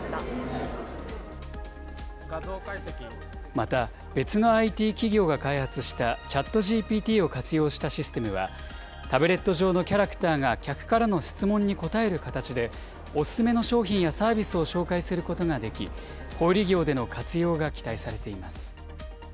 また、別のＩＴ企業が開発したＣｈａｔＧＰＴを活用したシステムは、タブレット上のキャラクターが客からの質問に答える形で、おすすめの商品やサービスを紹介することができ、小売り業での活用が期待されています。